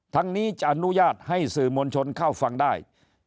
ทั้งนี้จะอนุญาตให้สื่อมวลชนเข้าฟังได้